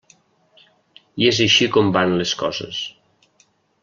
I és així com van les coses.